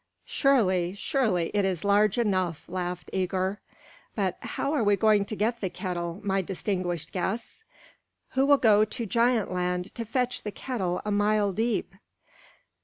"Surely, surely it is large enough," laughed Œgir. "But how are we to get the kettle, my distinguished guests? Who will go to Giant Land to fetch the kettle a mile deep?"